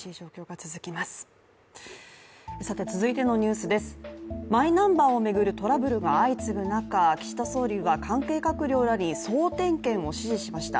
続いてのニュースです、マイナンバーを巡るトラブルが相次ぐ中、岸田総理は関係閣僚らに総点検を指示しました。